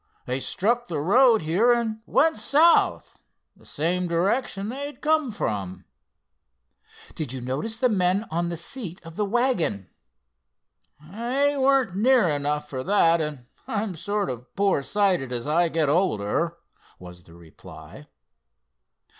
They struck the road here, and went south, the same direction they had come from." "Did you notice the men on the seat of the wagon?" "They weren't near enough for that, and I'm sort of poor sighted as I get older," was the reply.